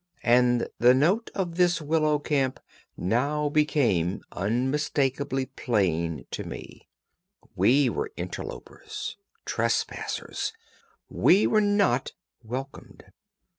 And the note of this willow camp now became unmistakably plain to me; we were interlopers, trespassers; we were not welcomed.